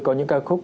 có những ca khúc